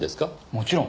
もちろん。